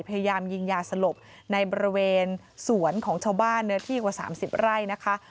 พยายามยิงยาสลบในบริเวณสวนของชาวบ้านเนื้อที่กว่า๓๐ไร่นะคะ